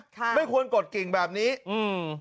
ค่ะค่ะไม่ควรกดกริ่งแบบนี้แล้วแต่อย่างนั้น